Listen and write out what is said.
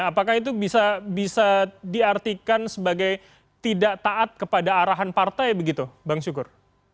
apakah itu bisa diartikan sebagai tidak taat kepada arahan partai begitu bang syukur